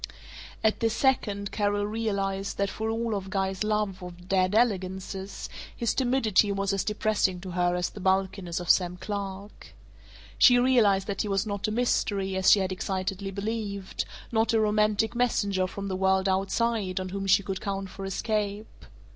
At this second Carol realized that for all Guy's love of dead elegances his timidity was as depressing to her as the bulkiness of Sam Clark. She realized that he was not a mystery, as she had excitedly believed; not a romantic messenger from the World Outside on whom she could count for escape.